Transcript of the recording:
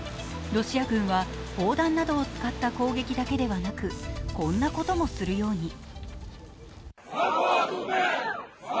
ロシア軍は砲弾などを使った攻撃だけではなくこんなこともするように。